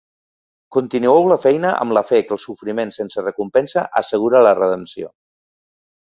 Continueu la feina amb la fe que el sofriment sense recompensa assegura la redempció.